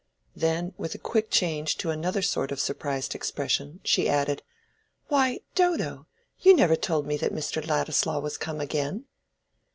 Then with a quick change to another sort of surprised expression, she added, "Why, Dodo, you never told me that Mr. Ladislaw was come again!"